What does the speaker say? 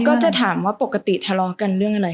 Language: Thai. ก็จะถามว่าปกติทะเลาะกันเรื่องอะไร